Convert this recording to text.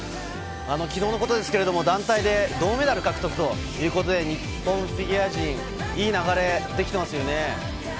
昨日のことですけど、団体で銅メダル獲得ということで日本フィギュア陣、いい流れができていますね。